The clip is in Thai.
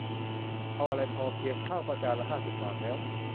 เอาอะไรมาพอเพียง ข้าวก็จานละห้าสิบบาทแล้ว